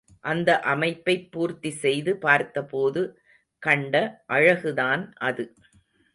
அந்த அமைப்பைப் பூர்த்தி செய்து பார்த்தபோது கண்ட அழகுதான் அது.